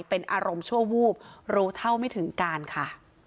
เป็นอารมณ์ชั่ววูบรู้เท่าไม่ถึงการค่ะ